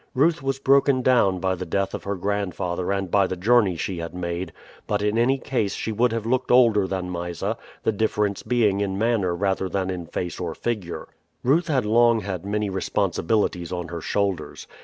Ruth was broken down by the death of her grandfather and by the journey she had made; but in any case she would have looked older than Mysa, the difference being in manner rather than in face or figure. Ruth had long had many responsibilities on her shoulders.